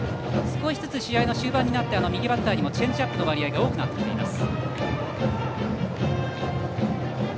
少しずつ試合終盤になって右バッターにもチェンジアップの割合が多くなってきています。